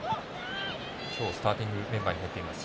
今日スターティングメンバーに入っています